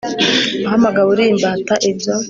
wahamagawe uri imbata Ibyo